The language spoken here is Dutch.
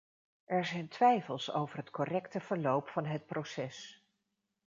Er zijn twijfels over het correcte verloop van het proces.